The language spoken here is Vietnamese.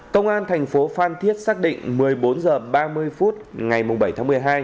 công an thành phố phan thiết xác định một mươi bốn h ba mươi phút ngày bảy tháng một mươi hai